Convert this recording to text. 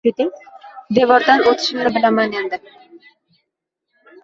Devordan o‘tishimni bilaman edi